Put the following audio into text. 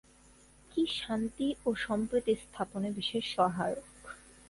কি শান্তি ও সম্প্রীতি স্থাপনে বিশেষ সহায়ক?